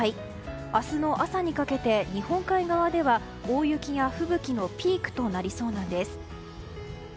明日の朝にかけて日本海側では大雪は吹雪のピークとなりそうなんです。